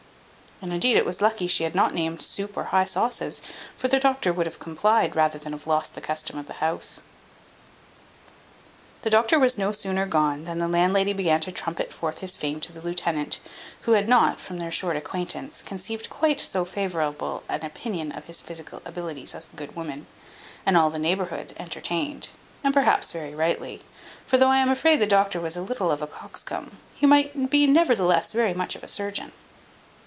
And indeed it was lucky she had not named soup or high sauces, for the doctor would have complied, rather than have lost the custom of the house. The doctor was no sooner gone, than the landlady began to trumpet forth his fame to the lieutenant, who had not, from their short acquaintance, conceived quite so favourable an opinion of his physical abilities as the good woman, and all the neighbourhood, entertained (and perhaps very rightly); for though I am afraid the doctor was a little of a coxcomb, he might be nevertheless very much of a surgeon.